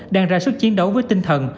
đang ra sức chiến đấu với tinh thần